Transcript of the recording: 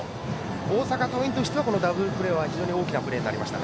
大阪桐蔭としてはこのダブルプレーは非常に大きなプレーです。